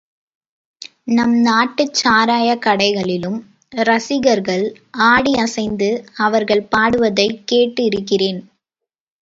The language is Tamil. நம் நாட்டுச் சாராயக் கடைகளிலும் ரசிகர்கள் ஆடி அசைந்து அவர்கள் பாடுவதைக் கேட்டு இருக்கிறேன்.